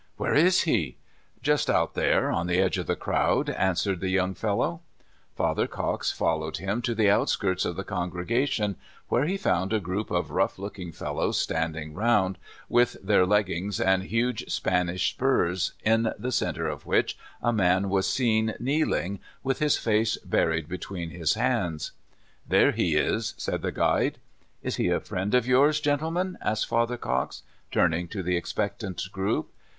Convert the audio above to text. "Where is he?" "Just out there on the edge of the crowd," an swered the young fellow. Father Cox followed him to the outskirts of the congregation, where he found a group of rough looking fellows standing around, with their leg gings and huge Spanish spurs, in the center of which a man was seen kneeling, with his face buried between his hands. Father Gox. 8^ There lie is," said the guide. "Is he a friend of yours, gentlemen?" asked Father Cox, turning to the expectant group.